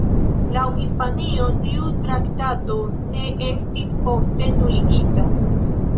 Laŭ Hispanio tiu traktato ne estis poste nuligita.